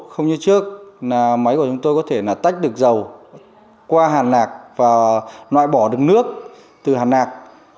không như trước là máy của chúng tôi có thể là tách được dầu qua hạt lạc và loại bỏ được nước từ hạt lạc